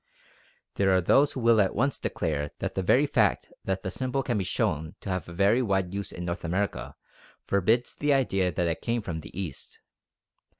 There are those who will at once declare that the very fact that the symbol can be shown to have had a wide use in North America forbids the idea that it came from the East.